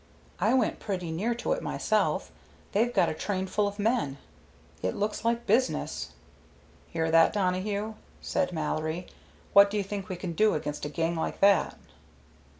I went pretty near to it myself. They've got a train full of men. It looks like business." "Hear that, Donohue?" said Mallory. "What do you think we can do against a gang like that?"